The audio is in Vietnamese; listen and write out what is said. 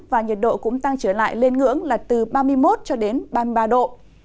và nhiệt độ cũng tăng trở lại lên ngưỡng là từ ba mươi một cho đến ba mươi ba độ